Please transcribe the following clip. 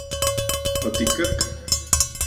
¿Otikkak...?